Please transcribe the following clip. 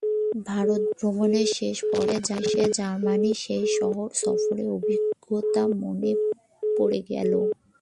ভারত ভ্রমণের শেষ পর্যায়ে এসে জার্মানির সেই শহর সফরের অভিজ্ঞতা মনে পড়ে গেল।